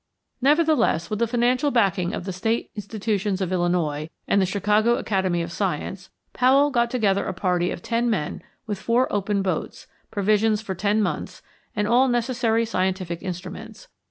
Nevertheless, with the financial backing of the State institutions of Illinois and the Chicago Academy of Science, Powell got together a party of ten men with four open boats, provisions for ten months, and all necessary scientific instruments.